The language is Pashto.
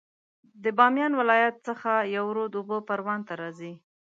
د بامیان ولایت څخه یو رود اوبه پروان ته راځي